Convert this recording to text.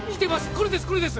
これですこれです！